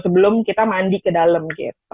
sebelum kita mandi ke dalam gitu